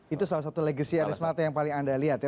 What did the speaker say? itu salah satu legasi anies mata yang paling anda lihat ya